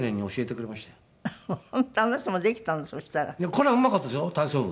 彼はうまかったですよ体操部。